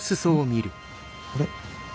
あれ？